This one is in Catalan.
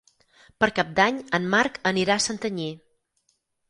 Per Cap d'Any en Marc anirà a Santanyí.